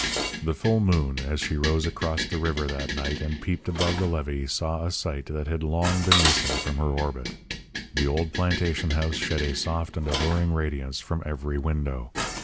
The full moon, as she rose across the river that night and peeped above the levee saw a sight that had long been missing from her orbit. The old plantation house shed a soft and alluring radiance from every window.